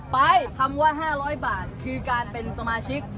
ไปคำว่า๕๐๐บาทคือการเป็นสมาชิก